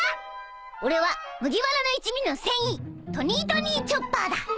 俺は麦わらの一味の船医トニートニー・チョッパーだ。